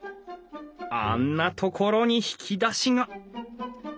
あんな所に引き出しが！